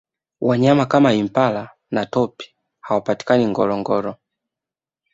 wanyama kama impala na topi hawapatikani ngorongoro